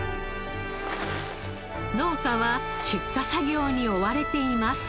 農家は出荷作業に追われています。